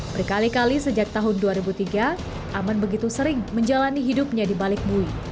berkali kali sejak tahun dua ribu tiga aman begitu sering menjalani hidupnya di balik bui